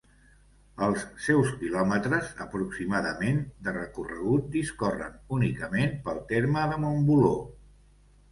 Els seus quilòmetres, aproximadament, de recorregut discorren únicament pel terme de Montboló.